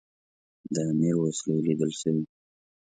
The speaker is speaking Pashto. د امیر وسلې لیدل سوي.